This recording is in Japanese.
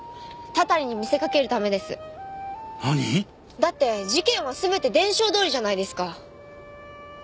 だって事件は全て伝承どおりじゃないですか。